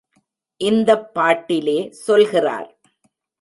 இந்தப் பாட்டிலே சொல்கிறார்.